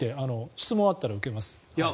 質問あったら受けます。